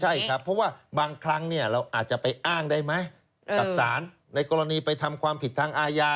ใช่ครับเพราะว่าบางครั้งเราอาจจะไปอ้างได้ไหมกับสารในกรณีไปทำความผิดทางอาญา